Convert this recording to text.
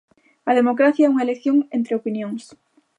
A democracia é unha elección entre opinións.